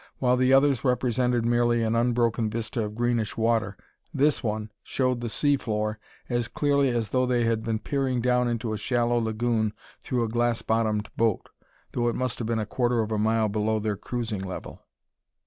While the others represented merely an unbroken vista of greenish water, this one showed the sea floor as clearly as though they had been peering down into a shallow lagoon through a glass bottomed boat, though it must have been a quarter of a mile below their cruising level.